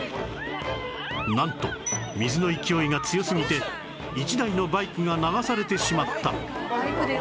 なんと水の勢いが強すぎて１台のバイクが流されてしまった